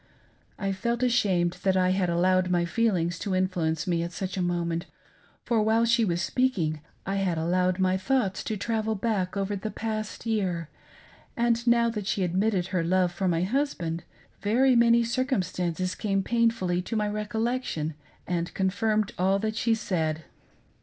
I felt ashamed that I had allowed my feelings, to influence me at such a moment, for while she had been speaking I had allowed my thoughts to travel back over the past year, and, now that she admitted her love for my husband, very many circumstances came painfully to my recollection and confirmed all that she said.